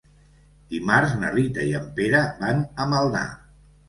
Dimarts na Rita i en Pere van a Maldà.